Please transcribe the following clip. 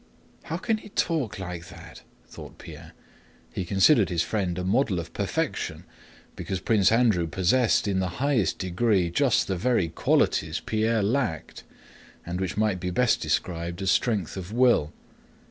"How can he talk like that?" thought Pierre. He considered his friend a model of perfection because Prince Andrew possessed in the highest degree just the very qualities Pierre lacked, and which might be best described as strength of will.